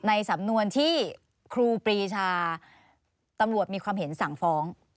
ในสำนวนที่ครูปรีชาตำรวจมีความเห็นสั่งฟ้อง